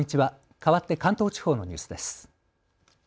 かわって関東地方のニュースです。